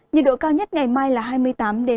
nhiệt độ cao nhất ngày mai là hai mươi chín ba mươi hai độ